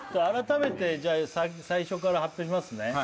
改めてじゃあ最初から発表しますね